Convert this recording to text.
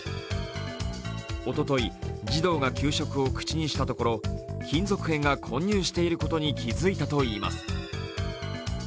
おととい、児童が給食を口にしたところ、金属片が混入していることに気づいたといいます。